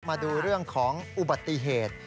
มาดูเรื่องของอุบัติเหตุ